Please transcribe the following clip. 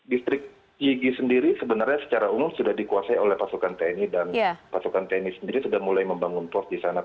distrik yigi sendiri sebenarnya secara umum sudah dikuasai oleh pasukan tni dan pasukan tni sendiri sudah mulai membangun pos di sana